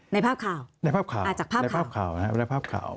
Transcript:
ในภาพข่าวในภาพข่าวจากภาพในภาพข่าวนะครับและภาพข่าว